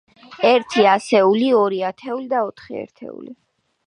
ერთი ასეული, ორი ათეული და ოთხი ერთეული.